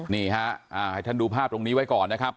นี่ฮะให้ท่านดูภาพตรงนี้ไว้ก่อนนะครับ